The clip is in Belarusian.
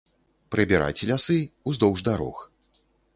Прыбіраць лясы, уздоўж дарог.